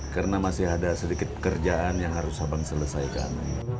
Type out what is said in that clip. karena masih ada sedikit pekerjaan yang harus abang selesaikan